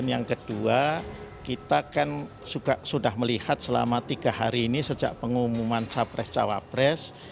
yang kedua kita kan sudah melihat selama tiga hari ini sejak pengumuman capres cawapres